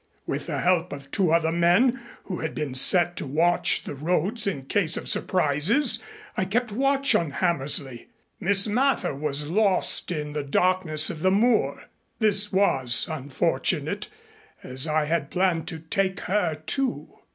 With the help of two other men who had been set to watch the roads in case of surprises I kept watch on Hammersley. Miss Mather we lost in the darkness of the moor. This was unfortunate, as I had planned to take her, too.